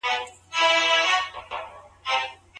د ښوونځیو د کتابونو چاپ په هېواد کي دننه کېږي؟